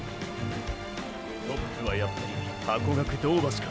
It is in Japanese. トップはやっぱりハコガク銅橋か。